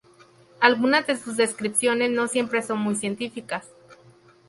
Algunas de sus descripciones no siempre son muy científicas.